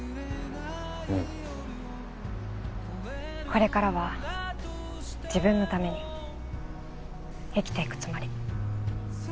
これからは自分のために生きていくつもり。